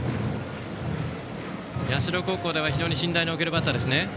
社高校では、非常に信頼の置けるバッターですね。